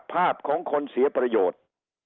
ภาพของคนเสียประโยชน์